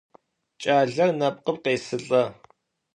Ç'aler nepkhım khêsılh'e.